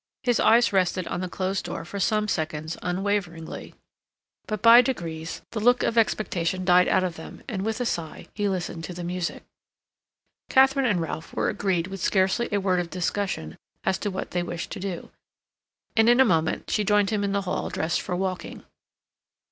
His eyes rested on the closed door for some seconds unwaveringly, but, by degrees, the look of expectation died out of them, and, with a sigh, he listened to the music. Katharine and Ralph were agreed with scarcely a word of discussion as to what they wished to do, and in a moment she joined him in the hall dressed for walking.